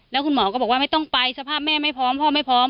แล้วคุณหมอก็บอกว่าไม่ต้องไปสภาพแม่ไม่พร้อมพ่อไม่พร้อม